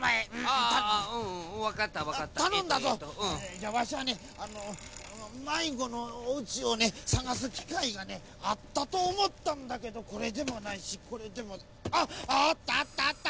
じゃあわしはねまいごのおうちをねさがすきかいがねあったとおもったんだけどこれでもないしこれでもないあっあったあったあった！